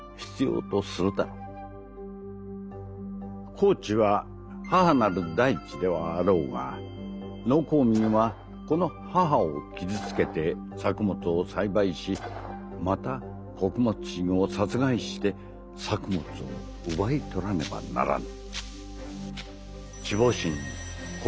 「耕地は『母なる大地』ではあろうが農耕民はこの『母』を傷つけて作物を栽培しまた穀物神を殺害して作物を奪い取らねばならぬ」。